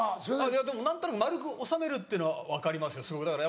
いやでも何となく丸く収めるっていうのは分かりますよ。